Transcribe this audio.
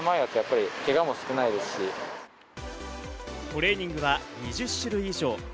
トレーニングは２０種類以上。